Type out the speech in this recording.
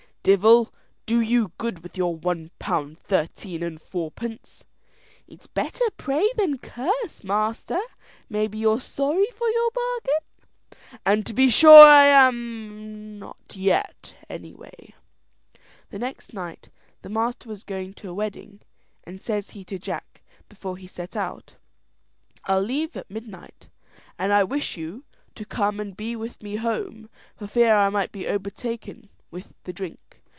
"Divel do you good with your one pound thirteen and fourpence!" "It's better pray than curse, master. Maybe you're sorry for your bargain?" "And to be sure I am not yet, any way." The next night the master was going to a wedding; and says he to Jack, before he set out: "I'll leave at midnight, and I wish you, to come and be with me home, for fear I might be overtaken with the drink.